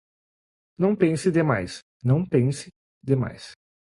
Não pense demais, não pense demais.